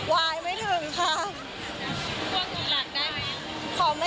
วายไม่ถึงค่ะ